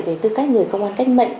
về tư cách người công an cách mệnh